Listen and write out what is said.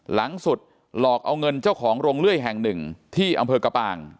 หลังสุดหลอกเอาเงินเจ้าของโรงเลื่อยแห่งหนึ่งที่อำเภอกะปาง